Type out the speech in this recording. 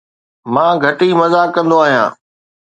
مان گهٽ ئي مذاق ڪندو آهيان